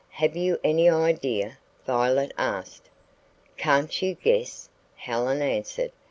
have you any idea?" Violet asked. "Can't you guess?" Helen answered.